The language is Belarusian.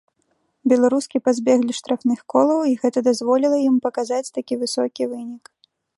Беларускі пазбеглі штрафных колаў і гэта дазволіла ім паказаць такі высокі вынік.